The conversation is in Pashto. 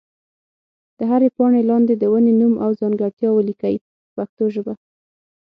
د هرې پاڼې لاندې د ونې نوم او ځانګړتیا ولیکئ په پښتو ژبه.